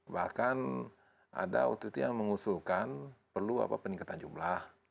bahkan ada waktu itu yang mengusulkan perlu peningkatan jumlah